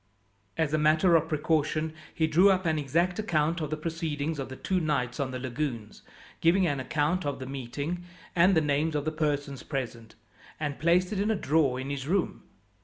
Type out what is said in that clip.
As a matter of precaution he drew up an exact account of the proceedings of the two nights on the lagoons, giving an account of the meeting, and the names of the persons present, and placed it in a drawer in his room.